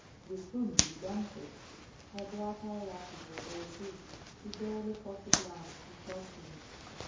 "With whom do you dance it?" Her black eyelashes were very thick; he barely caught the glance she shot him.